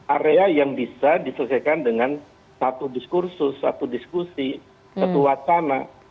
area yang bisa diselesaikan dengan satu diskursus satu diskusi satu wacana